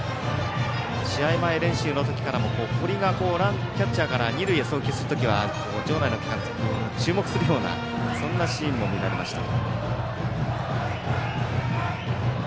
試合前練習のときから堀がキャッチャーから二塁へ送球するときは場内の観客も注目するようなそんなシーンも見られました。